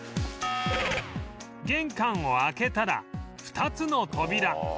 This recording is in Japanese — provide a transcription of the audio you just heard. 玄関を開けたら２つの扉